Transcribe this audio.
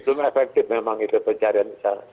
belum efektif memang itu pencarian